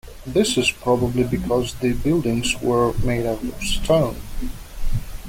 This is probably because the buildings were made out of stone.